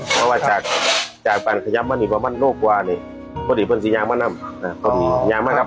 แต่อาจจะนำอาจรื่องน้ำไว้มากกว่า